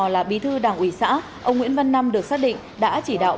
với vai trò là bí thư đảng ủy xã ông nguyễn văn năm được xác định đã chỉ đạo